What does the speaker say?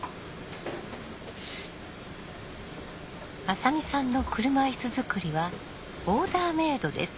浅見さんの車いす作りはオーダーメードです。